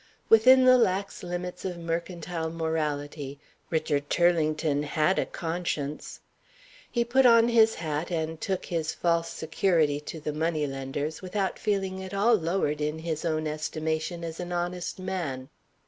Within the lax limits of mercantile morality, Richard Turlington had a conscience. He put on his hat and took his false security to the money lenders, without feeling at all lowered in his own estimation as an honest man.